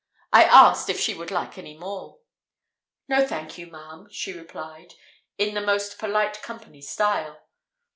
I asked if she would like any more? "No, thank you, ma'am," she replied, in the most polite company style.